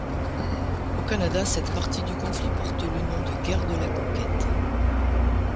Au Canada, cette partie du conflit porte le nom de Guerre de la Conquête.